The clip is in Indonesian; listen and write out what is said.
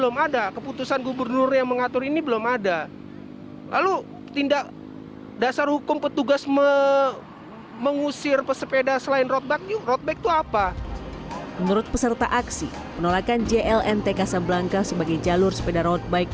menurut peserta aksi penolakan jlnt kasabelangka sebagai jalur sepeda roadbike